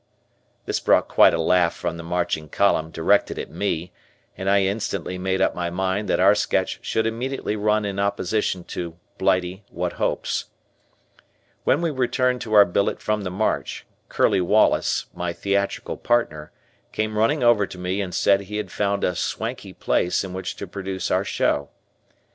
This brought quite a laugh from the marching column directed at me, and I instantly made up my mind that our sketch should immediately run in opposition to 'Blighty What Hopes?' When we returned to our billet from the march, Curley Wallace, my theatrical partner, came running over to me and said he had found a swanky place in which to produce our show.